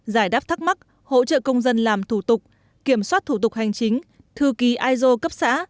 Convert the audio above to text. giải đáp thắc mắc hỗ trợ công dân làm thủ tục kiểm soát thủ tục hành chính thư ký iso cấp xã